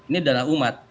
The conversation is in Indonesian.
ini dana umat